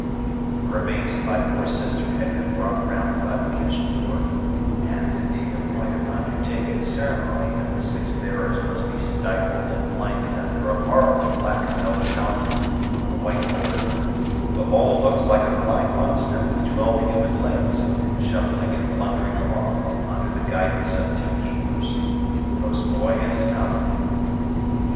The remains of my poor sister had been brought round by the kitchen door, and, it being a point of Undertaking ceremony that the six bearers must be stifled and blinded under a horrible black velvet housing with a white border, the whole looked like a blind monster with twelve human legs, shuffling and blundering along, under the guidance of two keepers,—the postboy and his comrade.